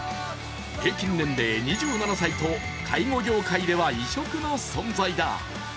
平均年齢２７歳と介護業界では異色の存在だ。